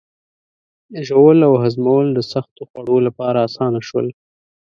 ژوول او هضمول د سختو خوړو لپاره آسانه شول.